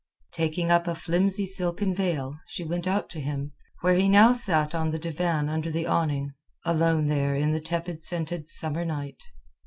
Taking up a flimsy silken veil, she went out to him where he now sat on the divan under the awning, alone there in the tepid scented summer night.